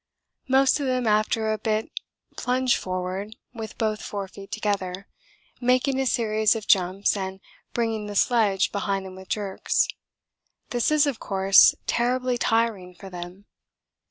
Most of them after a bit plunge forward with both forefeet together, making a series of jumps and bringing the sledge behind them with jerks. This is, of course, terribly tiring for them.